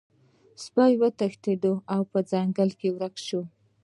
سپی وتښتید او په ځنګل کې ورک شو.